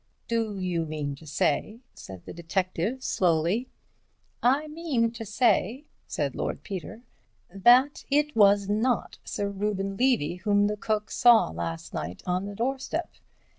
"Do you mean to say—" said the detective, slowly. "I mean to say," said Lord Peter, "that it was not Sir Reuben Levy whom the cook saw last night on the doorstep.